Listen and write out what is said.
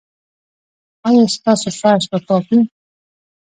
ایا ستاسو فرش به پاک وي؟